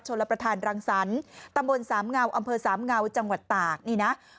รับประทานรังสรรค์ตำบลสามเงาอำเภอสามเงาจังหวัดตากนี่นะ